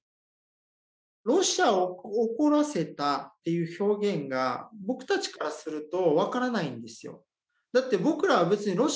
「ロシアを怒らせた」っていう表現が僕たちからすると分からないんですよ。